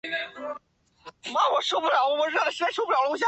留职停薪复职者